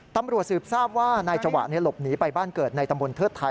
ตำรวจสืบทราบว่านายจวะหลบหนีไปบ้านเกิดในตำบลเทิดไทย